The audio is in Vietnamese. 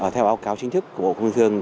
theo báo cáo chính thức của bộ công thương